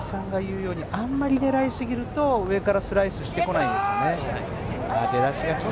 あんまり狙いすぎると、上からスライスしてこないんですよね。